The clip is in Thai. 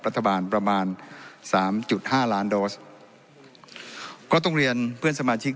ประมาณสามจุดห้าล้านโดสก็ต้องเรียนเพื่อนสมาชิก